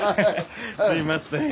すいません。